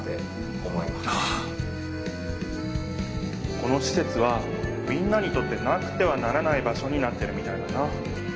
このしせつはみんなにとってなくてはならない場所になってるみたいだな。